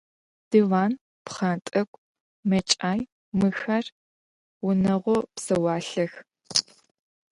Диван, пхъэнтӏэкӏу, мэкӏай – мыхэр унэгъо псэуалъэх.